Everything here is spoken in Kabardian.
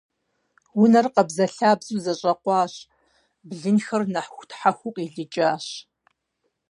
Унэр къабзэлъабзэу зэщӀэкъуащ, блынхэр нэхутхьэхуу къилыкӀащ.